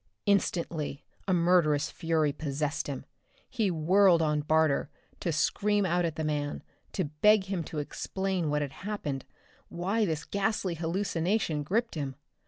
Instantly a murderous fury possessed him. He whirled on Barter, to scream out at the man, to beg him to explain what had happened, why this ghastly hallucination gripped him.